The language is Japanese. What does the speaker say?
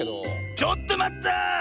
ちょっとまった！